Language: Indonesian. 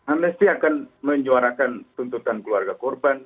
amnesty akan menyuarakan tuntutan keluarga korban